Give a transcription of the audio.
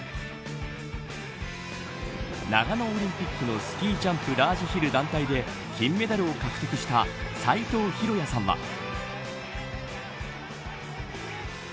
長野オリンピックのスキージャンプラージヒル団体で金メダルを獲得した斎藤浩哉さんは。